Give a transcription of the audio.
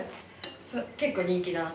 結構人気な。